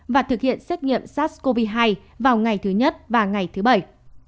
và thực hiện xét nghiệm sars cov hai vào ngày thứ nhất và ngày thứ bảy